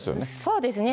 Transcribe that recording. そうですね。